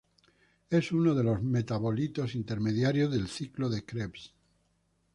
Es uno de los metabolitos intermediarios del ciclo de Krebs.